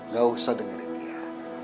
gak usah dengerin dia